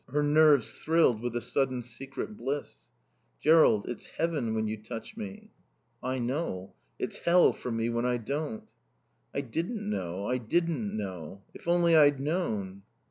Her nerves thrilled with a sudden secret bliss. "Jerrold, it's heaven when you touch me." "I know. It's hell for me when I don't." "I didn't know. I didn't know. If only I'd known."